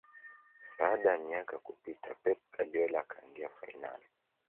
baada ya miaka kupita pep guardiola akaingia fainali